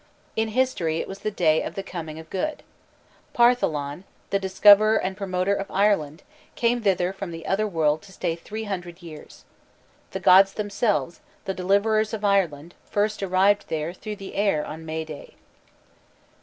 In history it was the day of the coming of good. Partholon, the discoverer and promoter of Ireland, came thither from the other world to stay three hundred years. The gods themselves, the deliverers of Ireland, first arrived there "through the air" on May Day.